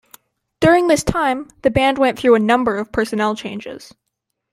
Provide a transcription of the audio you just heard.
During this time, the band went through a number of personnel changes.